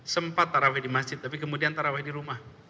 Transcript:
sempat taraweh di masjid tapi kemudian taraweh di rumah